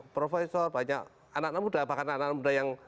profesor banyak anak muda bahkan anak muda yang